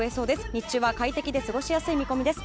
日中は快適で過ごしやすい見込みです。